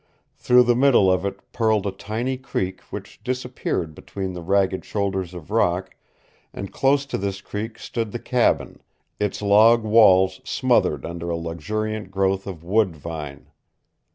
Through the middle of it purled a tiny creek which disappeared between the ragged shoulders of rock, and close to this creek stood the cabin, its log walls smothered under a luxuriant growth of wood vine.